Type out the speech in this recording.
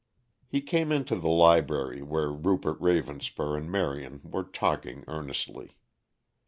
He came into the library where Rupert Ravenspur and Marion were talking earnestly.